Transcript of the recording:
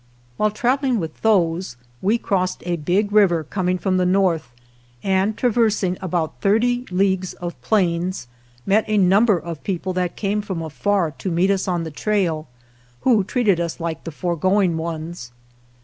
While travelling with those, we crossed a big river coming from the north and, tra versing about thirty leagues of plains, met a number of people that came from afar to meet us on the trail, who treated us like the foregoing ones.